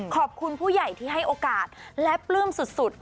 ขอบคุณผู้ใหญ่ที่ให้โอกาสและปลื้มสุด